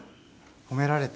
褒められた。